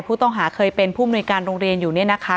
ผู้ต้องหาเคยเป็นผู้มนุยการโรงเรียนอยู่เนี่ยนะคะ